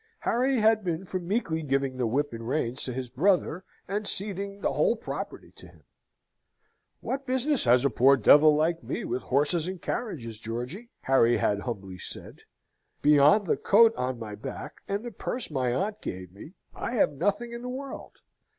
Harry had been for meekly giving the whip and reins to his brother, and ceding the whole property to him. "What business has a poor devil like me with horses and carriages, Georgy?" Harry had humbly said. "Beyond the coat on my back, and the purse my aunt gave me, I have nothing in the world.